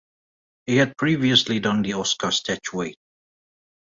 He had previously done the Oscar statuette.